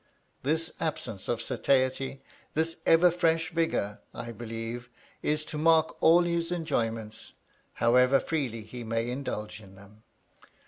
This absence of satiety, this ever fresh vigor, I believe, is to mark all his enjoyments, however freely he may indulge in them.